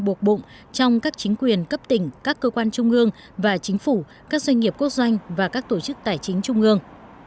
buộc bụng trong các chính quyền cấp tỉnh các cơ quan trung ương và chính phủ các doanh nghiệp quốc doanh và các tổ chức tài chính trung ương